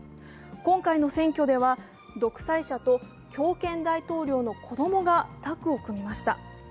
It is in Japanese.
今回の選挙では独裁者と強権大統領の子供がタッグを組みました。